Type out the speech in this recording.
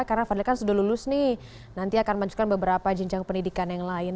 karena fadila kan sudah lulus nih nanti akan menunjukkan beberapa jenjang pendidikan yang lain